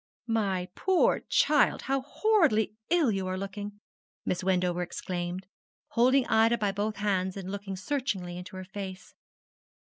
'My poor child, how horridly ill you are looking,' Miss Wendover exclaimed, holding Ida by both hands and looking searchingly into her face.